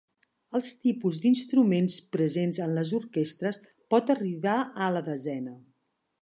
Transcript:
Els tipus d'instruments presents en les orquestres pot arribar a la desena.